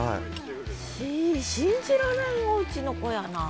信じられんおうちの子やなあ。